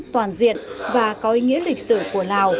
toàn diện và có ý nghĩa lịch sử của lào